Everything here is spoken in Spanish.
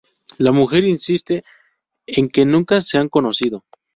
La mujer insiste en que nunca se han conocido.